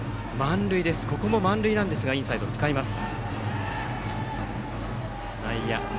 ここも満塁ですがインサイドを使います。